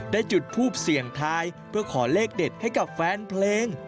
จุดทูปเสี่ยงทายเพื่อขอเลขเด็ดให้กับแฟนเพลง